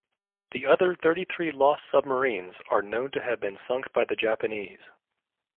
The other thirty-three lost submarines are known to have been sunk by the Japanese.